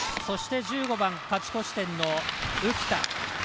そして１５番、勝ち越し点の浮田。